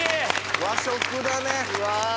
和食だね。